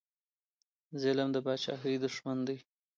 ظلم د پاچاهۍ دښمن دی